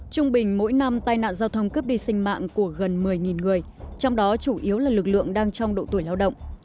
trung bình mỗi năm tai nạn giao thông cướp đi sinh mạng của gần một mươi người trong đó chủ yếu là lực lượng đang trong độ tuổi lao động